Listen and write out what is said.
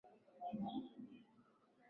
Mlima Lool Malasin wenye mita mraba